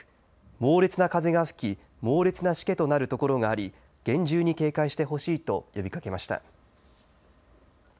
猛烈な風が吹き猛烈なしけとなるところがあり厳重に警戒してほしいと呼びかけました。